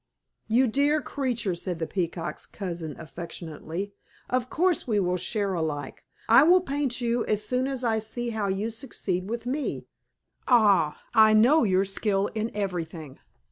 "You dear creature!" said the Peacock's cousin affectionately; "of course we will share alike. I will paint you as soon as I see how you succeed with me. Ah, I know your skill in everything.